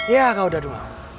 ya kau dadung